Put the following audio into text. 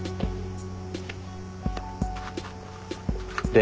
で？